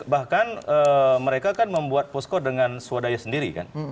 bahkan mereka kan membuat posko dengan swadaya sendiri kan